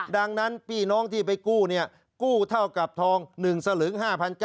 ดังนั้นพี่น้องที่ไปกู้กู้เท่ากับทอง๑สลึง๕๗๐๐